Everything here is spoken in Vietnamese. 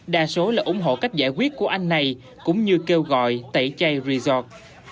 đa số là ủng hộ cách giải quyết của anh này cũng như kêu gọi tẩy chay resort